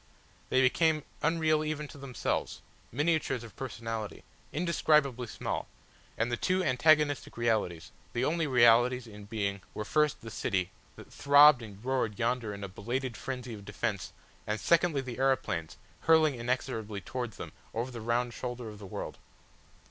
They became unreal even to themselves, miniatures of personality, indescribably small, and the two antagonistic realities, the only realities in being were first the city, that throbbed and roared yonder in a belated frenzy of defence and secondly the aeroplanes hurling inexorably towards them over the round shoulder of the world.